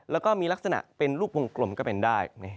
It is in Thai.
แล้วก็มีลักษณะเป็นลูกวงกลมก็เป็นได้